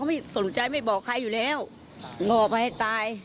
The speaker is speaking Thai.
ไม่สนใจไม่บอกใครอยู่แล้วง่อไปให้ตาย